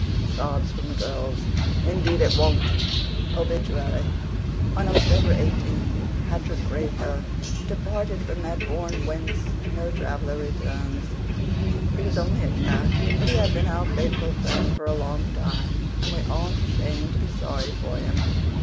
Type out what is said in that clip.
(SOBS FROM THE GIRLS): "INDEED IT WON'T!" OBITUARY On October eighteenth, Patrick Grayfur departed for that bourne whence no traveller returns. He was only a cat, but he had been our faithful friend for a long time and we aren't ashamed to be sorry for him.